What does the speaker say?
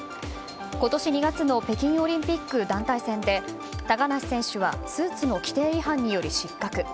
今年２月の北京オリンピック団体戦で高梨選手はスーツの規定違反により失格。